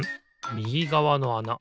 みぎがわのあな